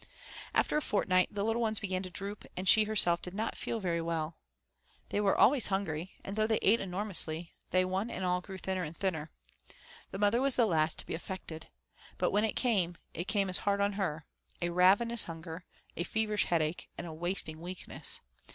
After a fortnight the little ones began to droop and she herself did not feel very well. They were always hungry, and though they ate enormously, they one and all grew thinner and thinner. The mother was the last to be affected. But when it came, it came as hard on her a ravenous hunger, a feverish headache, and a wasting weakness.